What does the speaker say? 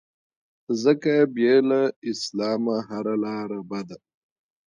ځکه بې له اسلام هره لاره بده